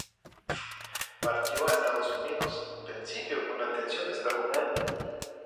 Partió a Estados Unidos, en principio con la intención de estar un año.